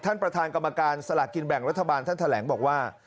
ท่านประธานกรรมการสลากกินแบ่งรัฐบาลท่านแถลงบอกว่า